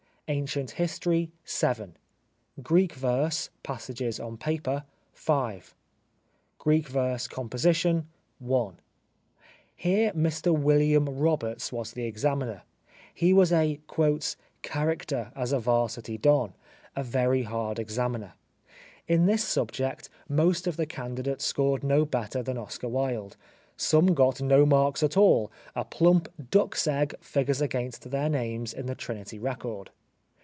Ancient History — 7. Greek Verse (Passages on Paper) — 5. Greek Verse Composition. — i. (Here Mr Wm. Roberts was the examiner. He was a " character as a 'Varsity Don," a very hard examiner. In this subject most of the candidates scored no better than Oscar Wilde, some got no marks at all, a plump duck's egg figures against their names in the Trinity record.